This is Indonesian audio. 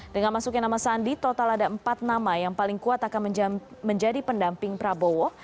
dengan masuknya nama sandi total ada empat nama yang paling kuat akan menjadi pendamping prabowo